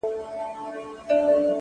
ورسره څه وکړم بې وسه سترگي مړې واچوي